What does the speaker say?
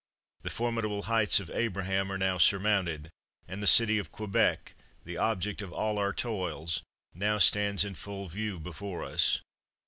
The formidable Heights of Abraham are now surmounted; and the city of Quebec, the object of all our toils, now stands in full view before us.